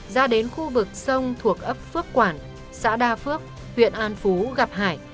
ra đến khu vực sông thuộc ấp phước quản xã đa phước huyện an phú gặp hải